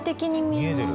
見えてる？